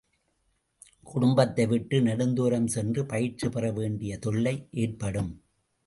குடும்பத்தை விட்டு நெடுந்துாரம் சென்று பயிற்சி பெறவேண்டிய தொல்லை ஏற்படும்.